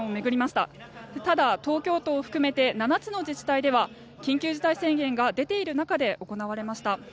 ただ、東京都を含めて７つの自治体では緊急事態宣言が出ている中で行われました。